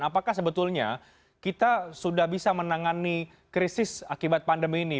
apakah sebetulnya kita sudah bisa menangani krisis akibat pandemi ini